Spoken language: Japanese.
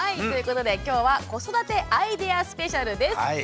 ということで今日は「子育てアイデアスペシャル」です。